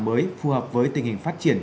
mới phù hợp với tình hình phát triển